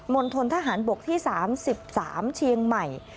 ณฑนทหารบกที่๓๓เชียงใหม่